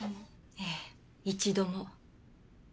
ええ一度も。